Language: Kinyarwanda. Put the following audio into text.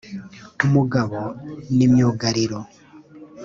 umugabo ni myugariro